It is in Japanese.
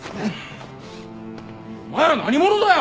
お前ら何者だよ。